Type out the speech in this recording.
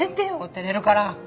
照れるから！